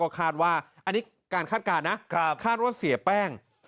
คาดว่าเสียแป้ง